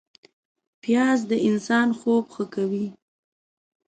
پیاز د انسان خوب ښه کوي